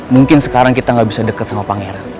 mungkin sekarang kita gak bisa deket sama pangeran